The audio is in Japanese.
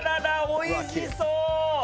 おいしそう！